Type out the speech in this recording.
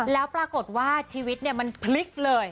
แล้วปรากฏว่าชีวิตมันพลิกเลย